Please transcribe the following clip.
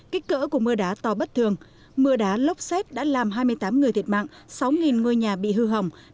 kích cỡ của mưa đá to bất thường mưa đá lốc xét đã làm hai mươi tám người thiệt mạng sáu ngôi nhà bị hư hỏng